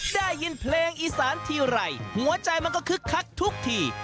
ได้ยินเพลงอีสานทีไรหัวใจมันก็คึกคักทุกที